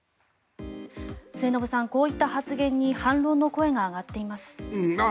末延さん、こういった発言に反論の声が上がっています。